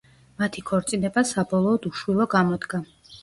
მათი ქორწინება, საბოლოოდ, უშვილო გამოდგა.